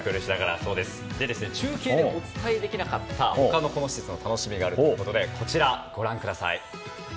中継ではお伝えできなかったこの施設の楽しみがあるということでこちら、ご覧ください。